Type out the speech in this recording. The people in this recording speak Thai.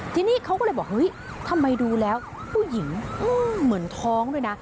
ทีนี้เขาก็เลยบอกเฮ้ยทำไมดูแล้วผู้หญิงเหมือนท้องด้วยนะ